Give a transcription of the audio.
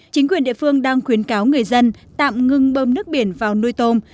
chính quyền địa phương đang khuyến cáo người dân tạm ngưng bơm nước biển vào nuôi tôm